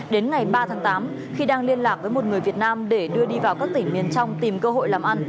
đến ngày ba tháng tám khi đang liên lạc với một người việt nam để đưa đi vào các tỉnh miền trong tìm cơ hội làm ăn